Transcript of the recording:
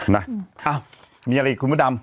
น่ะเอ้ามีอะไรอีกคุณมอดัม